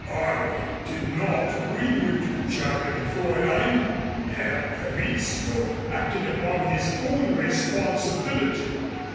"I did not bring you to Germany, Fräulein. Herr Rizzio acted upon his own responsibility.